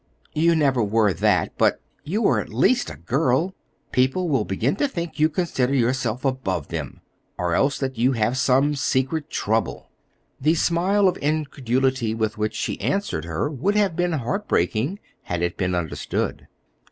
"You never were that, but you were at least a girl. People will begin to think you consider yourself above them, or else that you have some secret trouble." The smile of incredulity with which she answered her would have been heart breaking had it been understood.